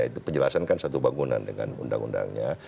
itu penjelasan kan satu bangunan dengan undang undangnya